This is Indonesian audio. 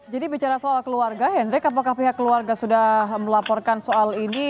jadi bicara soal keluarga hendrik apakah pihak keluarga sudah melaporkan soal ini